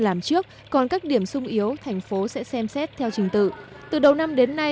làm trước còn các điểm sung yếu thành phố sẽ xem xét theo trình tự từ đầu năm đến nay